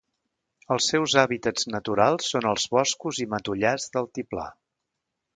Els seus hàbitats naturals són els boscos i matollars d'altiplà.